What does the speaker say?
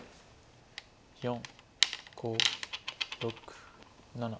４５６７。